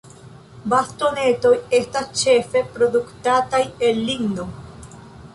Bastonetoj estas ĉefe produktataj el ligno.